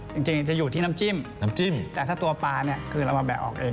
จริงจริงจะอยู่ที่น้ำจิ้มน้ำจิ้มแต่ถ้าตัวปลาเนี่ยคือเรามาแบะออกเอง